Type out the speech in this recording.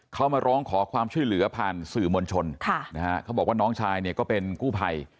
เขามาร้องขอความช่วยเหลือผ่านสื่อมวลชนค่ะนะฮะเขาบอกว่าน้องชายเนี่ยก็เป็นกู้ภัย